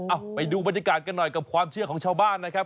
เอาไปดูบรรยากาศกันหน่อยกับความเชื่อของชาวบ้านนะครับ